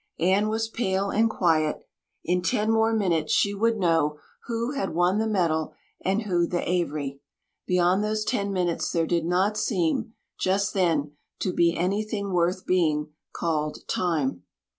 Anne was pale and quiet; in ten more minutes she would know who had won the medal and who the Avery. Beyond those ten minutes there did not seem, just then, to be anything worth being called Time.